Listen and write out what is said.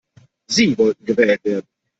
Sie wollten gewählt werden.